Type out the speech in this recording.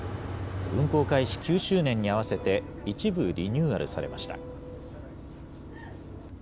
運行開始９周年に合わせて、一部リニューアルされました。